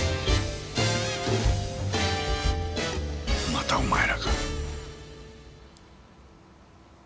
またお前らか。